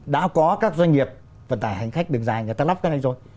đã có các doanh nghiệp vận tải hành khách đường dài người ta lắp cái này rồi